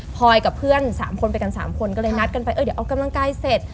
พอยกับเพื่อน๓คนไปกัน๓คนก็เลยนัดกันไปเออเดี๋ยวออกกำลังกายเสร็จ